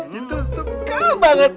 ya jin tuh suka banget